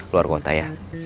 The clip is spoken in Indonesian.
luar kota ya